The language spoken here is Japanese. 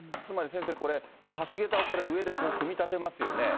先生、これ、橋桁を上で組み立てますよね。